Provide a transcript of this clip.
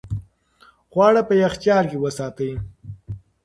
خواړه په یخچال کې وساتئ.